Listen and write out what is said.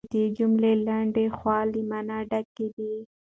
د ده جملې لنډې خو له مانا ډکې دي.